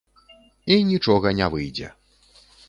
І нічога не выйдзе.